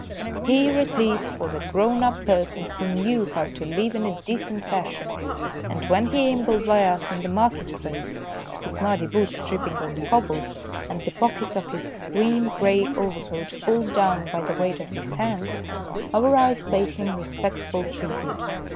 Here at least was a grown up person who knew how to live in a decent fashion, and when he ambled by us in the market place, his muddy boots tripping on the cobbles, and the pockets of his green grey overcoat pulled down by the weight of his hands, our eyes paid him respectful tribute.